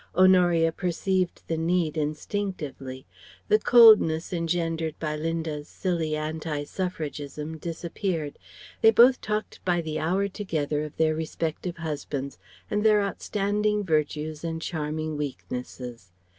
Honoria perceived the need instinctively. The coldness engendered by Linda's silly Anti suffragism disappeared. They both talked by the hour together of their respective husbands and their outstanding virtues and charming weaknesses.